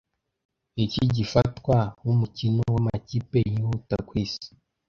Niki gifatwa nkumukino wamakipe yihuta kwisi